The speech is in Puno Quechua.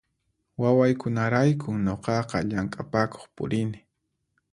Wawaykunaraykun nuqaqa llamk'apakuq purini